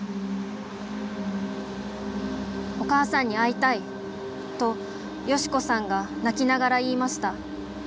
「『お母さんに会いたい』と良子さんが泣きながら言いました。